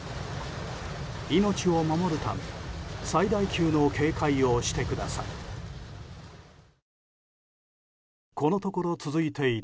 命を守るため最大級の警戒をしてください。